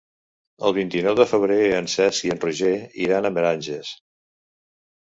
El vint-i-nou de febrer en Cesc i en Roger iran a Meranges.